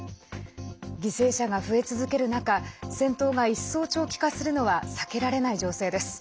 犠牲者が増え続ける中戦闘が一層、長期化するのは避けられない情勢です。